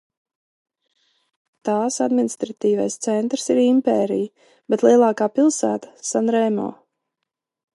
Tās administratīvais centrs ir Impērija, bet lielākā pilsēta – Sanremo.